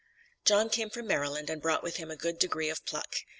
John came from Maryland, and brought with him a good degree of pluck.